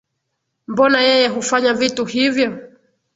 Mbona yeye hufanya vitu hivyo?